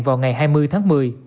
vào ngày hai mươi tháng một mươi